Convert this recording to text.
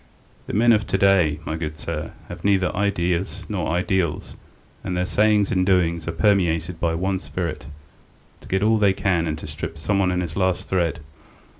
The men of to day, my good sir, have neither ideas nor ideals, and all their sayings and doings are permeated by one spirit to get all they can and to strip someone to his last thread.